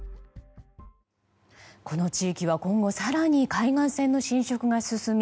この地域は今後、更に海岸線の浸食が進み